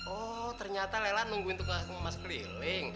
oh ternyata lela nungguin dong emas keliling